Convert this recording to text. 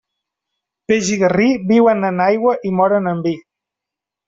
Peix i garrí viuen en aigua i moren en vi.